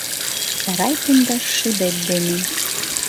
Сарай пундаш шудет дене